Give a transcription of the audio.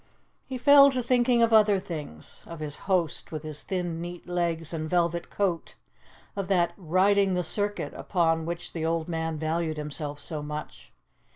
He fell to thinking of other things: of his host, with his thin, neat legs and velvet coat; of that 'riding the circuit' upon which the old man valued himself so much.